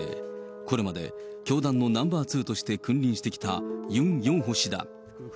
これまで教団のナンバー２として君臨してきたユン・ヨンホ氏だ。